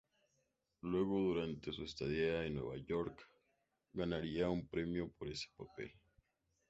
Luego durante su estadía en Nueva York, ganaría un premio por ese papel.